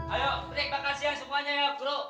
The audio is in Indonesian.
ayo rick makan siang semuanya ya bro